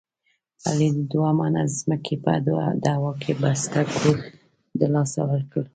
علي د دوه منه ځمکې په دعوه کې بسته کور دلاسه ورکړ.